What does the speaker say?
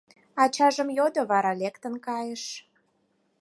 Ачажым йодо, вара лектын кайыш.